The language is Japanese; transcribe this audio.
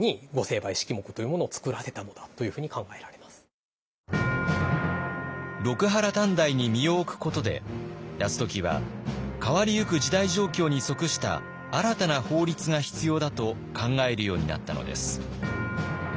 もう一つはそういった中でここは一つ六波羅探題に身を置くことで泰時は変わりゆく時代状況に即した新たな法律が必要だと考えるようになったのです。